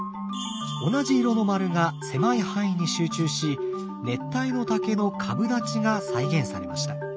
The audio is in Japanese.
同じ色の丸が狭い範囲に集中し熱帯の竹の株立ちが再現されました。